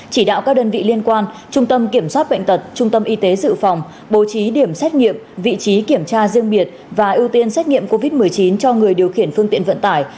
chỉ đạo các đơn vị liên quan trung tâm kiểm soát bệnh tật trung tâm y tế dự phòng bố trí điểm xét nghiệm vị trí kiểm tra riêng biệt và ưu tiên xét nghiệm covid một mươi chín cho người điều khiển phương tiện vận tải